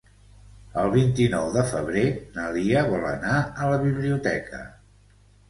El vint-i-nou de febrer na Lia vol anar a la biblioteca.